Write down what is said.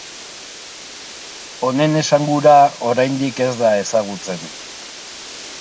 Honen esangura, oraindik ez da ezagutzen.